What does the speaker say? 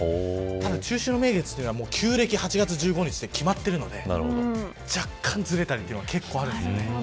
中秋の名月は旧暦８月１５日って決まっているので若干ずれたりが結構あるんです。